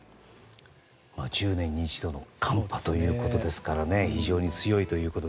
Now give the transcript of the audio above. １０年に一度の寒波ということですから非常に強いということで。